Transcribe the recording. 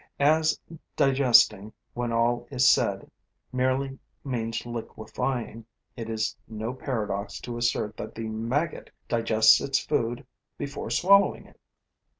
As digesting, when all is said, merely means liquefying, it is no paradox to assert that the maggot digests its food before swallowing it.